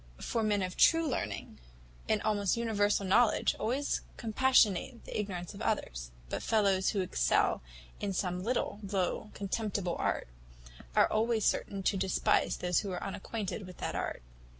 For men of true learning, and almost universal knowledge, always compassionate the ignorance of others; but fellows who excel in some little, low, contemptible art, are always certain to despise those who are unacquainted with that art.